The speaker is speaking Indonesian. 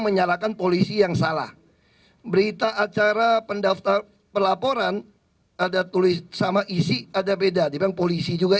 menyalahkan polisi yang salah berita acara pendaftar pelaporan ada tulis sama isi ada beda dibilang polisi juga